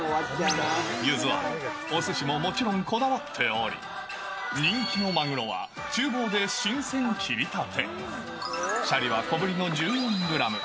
ゆず庵、おすしももちろんこだわっており、人気のマグロはちゅう房で新鮮切りたて、シャリは小ぶりの１４グラム。